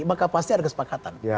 maka pasti ada kesepakatan